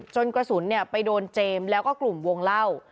จนกระสุนเนี่ยไปโดนเจมส์แล้วก็กลุ่มวงเหล้า